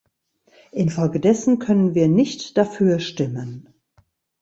Infolgedessen können wir nicht dafür stimmen.